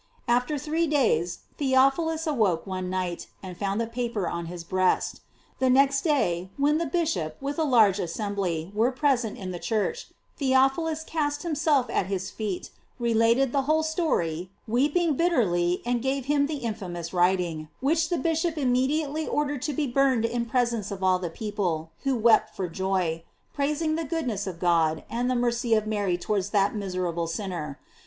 After three days Theophilus awoke one night, and found the paper on his breast. The next day, when the bishop with a large assembly were present in the church, Theophilus cast himself at his feet, related the whole story, weeping bitterly, and gave him the infamous writing, which the bishop immediately ordered to be burned in presence of all the people, who wept for joy, praising the goodness of God, and the mercy of Mary towards that miserable sinner.